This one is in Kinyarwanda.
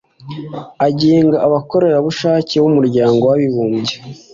Agenga abakorerabushake b’ umuryango w’abibubye